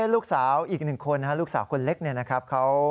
ลูกสาวอีกหนึ่งคนนะครับลูกสาวคนเล็กเนี่ยนะครับ